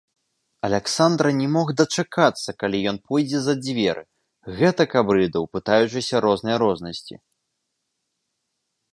Аляксандра не мог дачакацца, калі ён пойдзе за дзверы, гэтак абрыдаў, пытаючыся рознай рознасці.